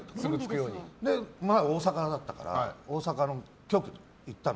前、大阪だったから大阪の局に行ったの。